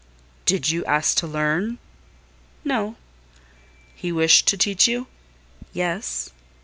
"Did you ask to learn?" "No." "He wished to teach you?" "Yes."